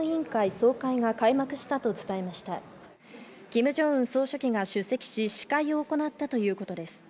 総書記が出席し、司会を行ったということです。